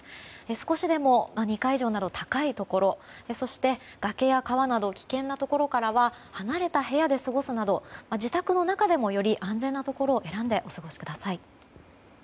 少しでも２階以上など高いところそして崖や川など危険なところからは離れた部屋で過ごすなど自宅の中でもより安全なところを選んでお過ごしください。